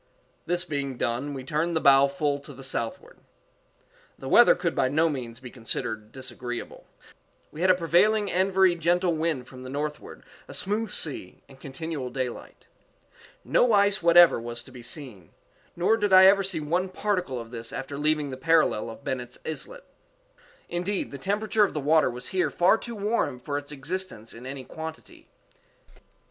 This being done, we turned the bow full to the southward. The weather could by no means be considered disagreeable. We had a prevailing and very gentle wind from the northward, a smooth sea, and continual daylight. No ice whatever was to be seen; _nor did I ever see one particle of this after leaving the parallel of Bennet's Islet._Indeed, the temperature of the water was here far too warm for its existence in any quantity.